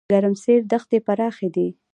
ګرمسیر دښتې پراخې دي؟